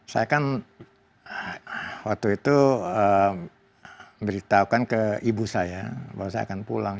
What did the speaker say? saya kan waktu itu memberitahukan ke ibu saya bahwa saya akan pulang